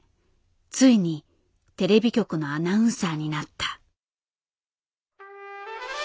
ついにテレビ局のアナウンサーになった。